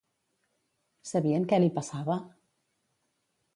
Sabien què li passava?